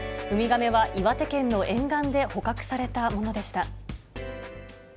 ウミガメは岩手県の沿岸で捕獲されたものでした。